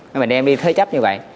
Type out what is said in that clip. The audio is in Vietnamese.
nên mà đem đi thế chấp như vậy